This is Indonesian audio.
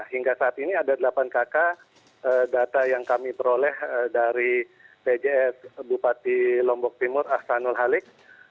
hingga saat ini ada delapan kakak data yang kami peroleh dari pjs bupati lombok timur ahsanul halik